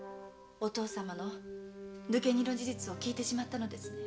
お父さまの抜け荷の事実を聞いてしまったのですね？